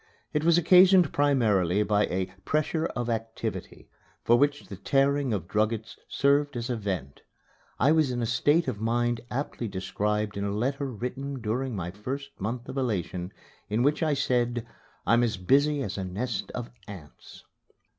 It was occasioned primarily by a "pressure of activity," for which the tearing of druggets served as a vent. I was in a state of mind aptly described in a letter written during my first month of elation, in which I said, "I'm as busy as a nest of ants."